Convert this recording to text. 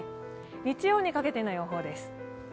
日曜にかけての予報です。